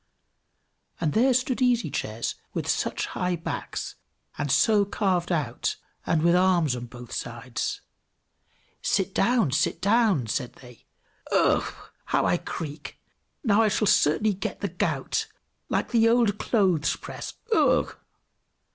And there stood easy chairs, with such high backs, and so carved out, and with arms on both sides. "Sit down! sit down!" said they. "Ugh! how I creak; now I shall certainly get the gout, like the old clothespress, ugh!"